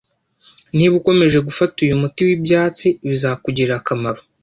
Niba ukomeje gufata uyu muti wibyatsi, bizakugirira akamaro.